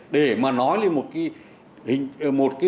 để mà nói lên một cái